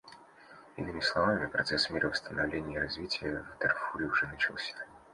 Иными словами, процесс мира, восстановления и развития в Дарфуре уже начался.